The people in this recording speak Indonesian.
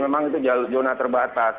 memang itu zona terbatas